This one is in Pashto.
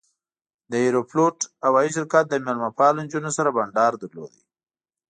د ایروفلوټ هوایي شرکت له میلمه پالو نجونو سره بنډار درلود.